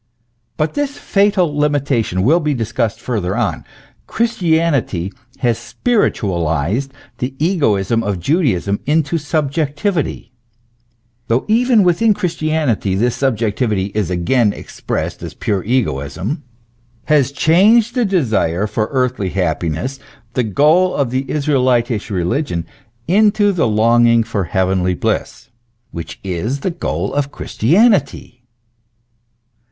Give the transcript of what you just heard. But this fatal limitation will be discussed further on. Christianity has spiritualised the egoism of Judaism into subjectivity (though even within Christianity this subjectivity is again expressed as pure egoism), has changed the desire for earthly happiness, the goal of the Israelitish religion, into the longing for heavenly bliss, which is the goal of Christianity.